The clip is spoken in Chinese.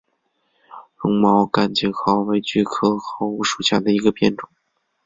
绒毛甘青蒿为菊科蒿属下的一个变种。